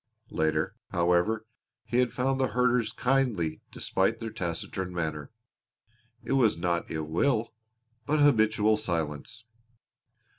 Later, however, he had found the herders kindly despite their taciturn manner. It was not ill will but habitual silence.